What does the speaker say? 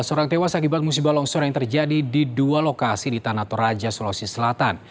sebelas orang tewas akibat musibah longsor yang terjadi di dua lokasi di tanah toraja sulawesi selatan